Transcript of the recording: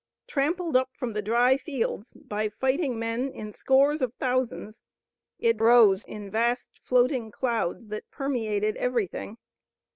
Trampled up from the dry fields by fighting men in scores of thousands it rose in vast floating clouds that permeated everything.